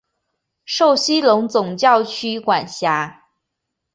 受西隆总教区管辖。